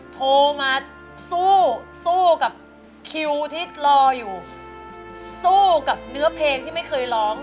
โทรมาสู้สู้กับคิวที่รออยู่สู้กับเนื้อเพลงที่ไม่เคยร้อง